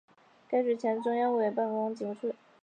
该局的前身是中央军委办公厅警卫处。